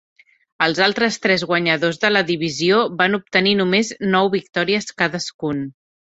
Els altres tres guanyadors de la divisió van obtenir només nou victòries cadascun.